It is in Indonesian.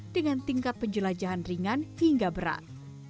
dengan tingkat penjelajahan ringan hingga berat